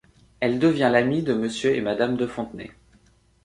Elle devient l'amie de Monsieur et Madame de Fontenay.